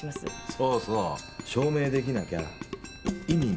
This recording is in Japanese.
そうそう証明できなきゃ意味ないの。